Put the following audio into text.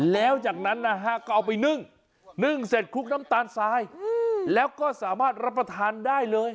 แล้วจากนั้นนะฮะก็เอาไปนึ่งนึ่งเสร็จคลุกน้ำตาลทรายแล้วก็สามารถรับประทานได้เลย